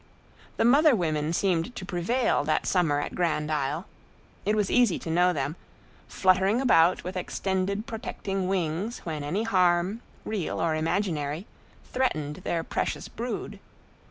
The mother women seemed to prevail that summer at Grand Isle. It was easy to know them, fluttering about with extended, protecting wings when any harm, real or imaginary, threatened their precious brood.